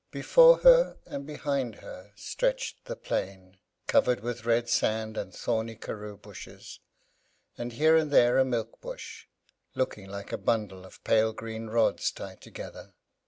Before her and behind her stretched the plain, covered with red sand and thorny karoo bushes; and here and there a milk bush, looking like a bundle of pale green rods tied together.